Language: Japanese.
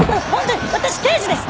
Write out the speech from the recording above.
私刑事です！